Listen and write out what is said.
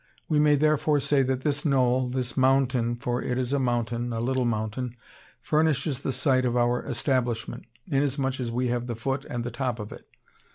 We may, therefore, say that this knoll, this mountain for it is a mountain, a little mountain furnishes the site of our establishment, inasmuch as we have the foot and the top of it.